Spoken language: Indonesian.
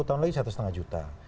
sepuluh tahun lagi satu lima juta